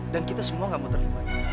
dan kita semua gak mau terlibat